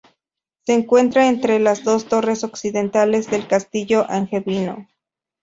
Se encuentra entre las dos torres occidentales del castillo angevino.